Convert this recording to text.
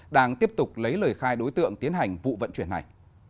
đang tiếp tục lấy lời khai đối tượng tiến hành vụ vận chuyển này